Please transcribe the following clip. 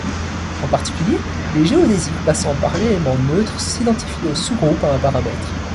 En particulier, les géodésiques passant par l'élément neutre s'identifient aux sous-groupes à un paramètre.